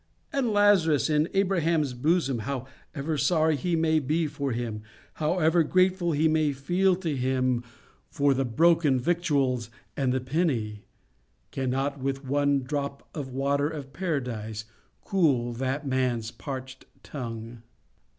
And Lazarus in Abraham's bosom, however sorry he may be for him, however grateful he may feel to him for the broken victuals and the penny, cannot with one drop of the water of Paradise cool that man's parched tongue.